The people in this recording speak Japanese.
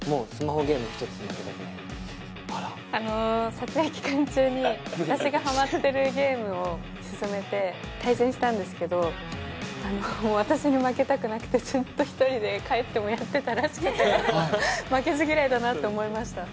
撮影期間中に私がハマってるゲームを勧めて対戦したんですけど私に負けたくなくてずっと一人で帰ってもやってたらしくて負けず嫌いだなって思いました